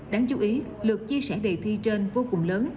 đáng chú ý lượt chia sẻ đề thi trên vô cùng lớn